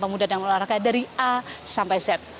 pemuda dan olahraga dari a sampai z